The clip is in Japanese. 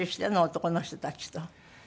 男の人たちと。